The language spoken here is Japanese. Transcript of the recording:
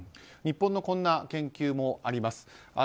日本のこんな研究もあります。